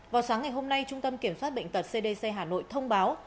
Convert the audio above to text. vào sáng ngày hôm nay trung tâm kiểm soát bệnh tật cdc hà nội thông báo